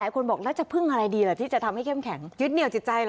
คนบอกแล้วจะพึ่งอะไรดีล่ะที่จะทำให้เข้มแข็งยึดเหนียวจิตใจเหรอ